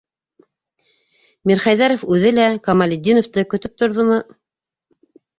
Мирхәйҙәров үҙе лә Камалетдиновты көтөп торҙомо